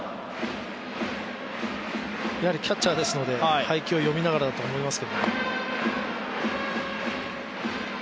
やはりキャッチャーですので配球を読みながらだと思います。